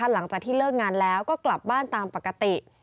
หลังจากที่เลิกงานแล้วก็กลับบ้านตามปกติ